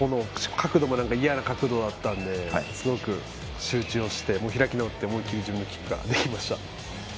角度も嫌な角度だったのですごく集中をして開き直って思い切り自分のキックができました。